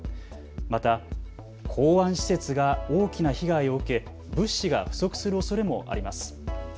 また港湾施設が大きな被害を受け物資が不足するおそれもあります。